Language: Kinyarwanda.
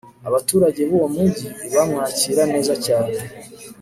abaturage b'uwo mugi bamwakira neza cyane